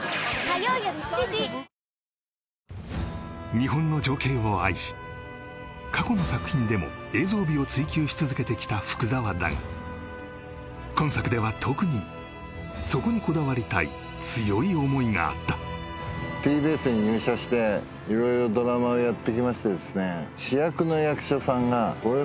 日本の情景を愛し過去の作品でも映像美を追求し続けてきた福澤だが今作では特にそこにこだわりたい強い思いがあったＴＢＳに入社して色々ドラマをやってきましてですね